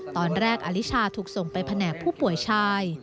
ตอนแรกอลิชาถูกส่งไปแผนกผู้ป่วยชาย